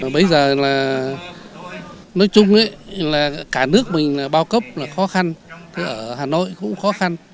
bây giờ là nói chung là cả nước mình bao cấp là khó khăn thì ở hà nội cũng khó khăn